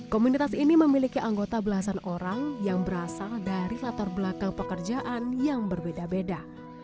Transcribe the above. komunitas ini memiliki anggota belasan orang yang berasal dari latar belakang pekerjaan yang berbeda beda